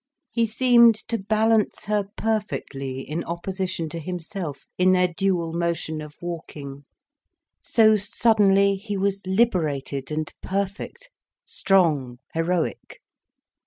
He seemed to balance her perfectly in opposition to himself, in their dual motion of walking. So, suddenly, he was liberated and perfect, strong, heroic.